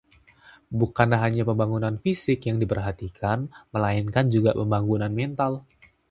bukan hanya pembangunan fisik yang diperhatikan, melainkan juga pembangunan mental